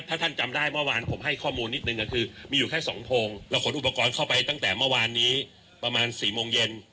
ถ้าท่านจำได้เมื่อวานผมให้ข้อมูลนิดนึงก็คือมีอยู่แค่๒โพงเราขนอุปกรณ์เข้าไปตั้งแต่เมื่อวานนี้ประมาณ๔โมงเย็น